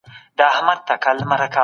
بهرنۍ پانګه اچونه د هیواد لپاره ګټوره ده.